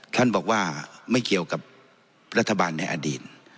ท่านบอกว่าไม่เกี่ยวกับรัฐบาลในอดีต